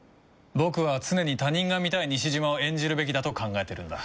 僕は常に他人が見たい西島を演じるべきだと考えてるんだ。